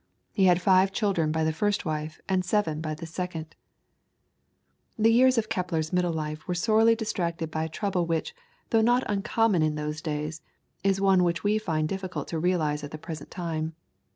He had five children by the first wife and seven by the second. The years of Kepler's middle life were sorely distracted by a trouble which, though not uncommon in those days, is one which we find it difficult to realise at the present time.